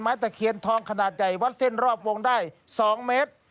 ตะเคียนทองขนาดใหญ่วัดเส้นรอบวงได้๒เมตร